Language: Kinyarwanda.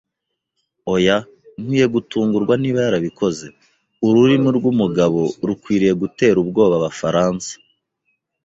Oya, nkwiye gutungurwa niba yarabikoze! Ururimi rwumugabo rukwiriye gutera ubwoba Abafaransa.